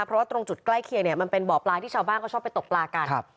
เพราะว่าตรงจุดใกล้เคียงเนี่ยมันเป็นบ่อปลาที่ชาวบ้านเขาชอบไปตกปลากัน